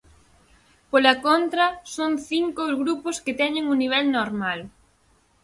Pola contra, son cinco os grupos que teñen un nivel normal.